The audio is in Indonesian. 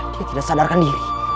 dia tidak sadarkan diri